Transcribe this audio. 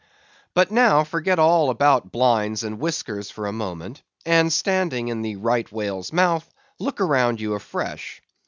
But now forget all about blinds and whiskers for a moment, and, standing in the Right Whale's mouth, look around you afresh.